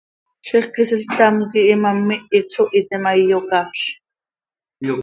Zixquisiil ctam quih imám ihic zo hiite ma, iyocafz.